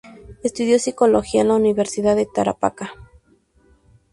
Estudio psicología en la Universidad de Tarapacá.